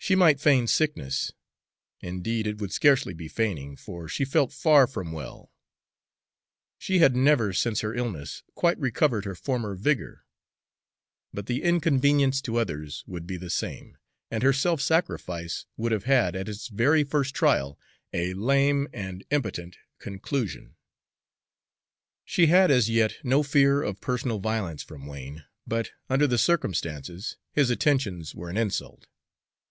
She might feign sickness, indeed, it would scarcely be feigning, for she felt far from well; she had never, since her illness, quite recovered her former vigor but the inconvenience to others would be the same, and her self sacrifice would have had, at its very first trial, a lame and impotent conclusion. She had as yet no fear of personal violence from Wain; but, under the circumstances, his attentions were an insult.